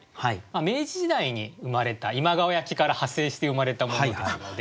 明治時代に生まれた今川焼きから派生して生まれたものですので。